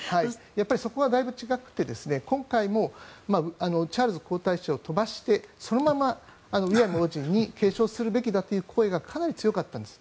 そこはだいぶ違くて今回もチャールズ皇太子を飛ばしてそのままウィリアム王子が継承するべきだという声がかなり強かったんです。